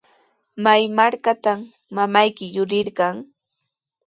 ¿Maytrawtaq mamayki yurirqan?